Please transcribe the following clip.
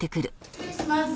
失礼します。